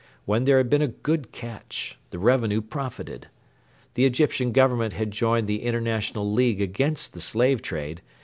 When there had been a good catch, the revenue profited. The Egyptian Government had joined the International League against the slave trade.